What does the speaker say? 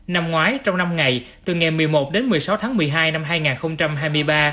năm ngoái trong năm ngày từ ngày một mươi một đến một mươi sáu tháng một mươi hai năm hai nghìn hai mươi ba